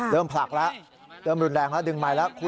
ผลักแล้วเริ่มรุนแรงแล้วดึงไมค์แล้ว